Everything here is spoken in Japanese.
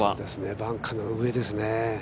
バンカーの上ですね。